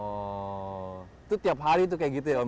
oh itu tiap hari itu kayak gitu ya om